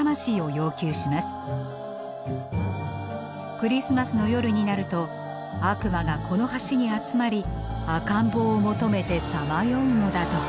クリスマスの夜になると悪魔がこの橋に集まり赤ん坊を求めてさまようのだとか。